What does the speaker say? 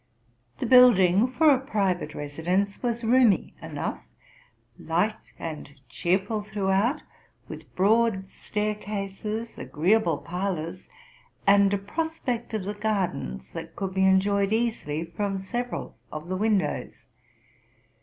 The building, for a private resi dence, was roomy enough, light and cheerful throughout, with broad staircases, agreeable parlors, and a prospect of the gardens that could be enjoyed easily from several of the windows.